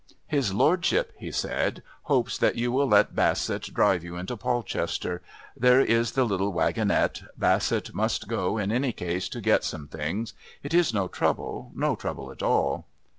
"His lordship," he said, "hopes that you will let Bassett drive you into Polchester. There is the little wagonette; Bassett must go, in any case, to get some things. It is no trouble, no trouble at all."